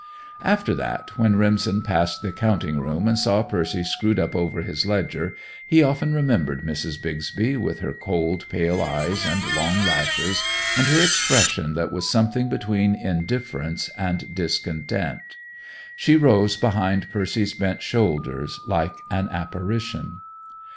After that, when Remsen passed the counting room and saw Percy screwed up over his ledger, he often remembered Mrs. Bixby, with her cold, pale eyes and long lashes, and her expression that was something between indifference and discontent. She rose behind Percy's bent shoulders like an apparition.